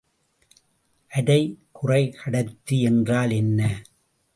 அரைகுறைக்கடத்தி என்றால் என்ன?